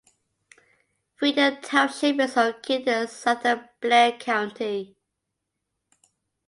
Freedom Township is located in southern Blair County.